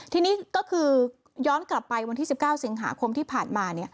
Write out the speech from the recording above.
ทีนี้ก็คือย้อนกลับไปวันที่๑๙สิงหาคมที่ผ่านมา